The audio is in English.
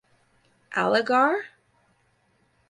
Aligarh.